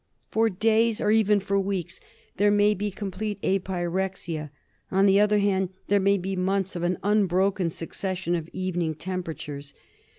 For days, or even for weeks, there may be complete apyrexia ; on the other hand, there may be months of an unbroken succes sion of evening temperatures.